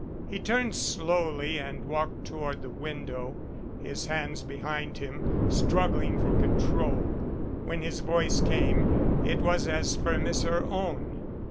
He turned slowly and walked toward the window, his hands behind him, struggling for control. When his voice came, it was as firm as her own.